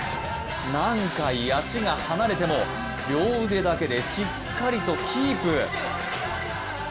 何回足が離れても、両腕だけでしっかりとキープ。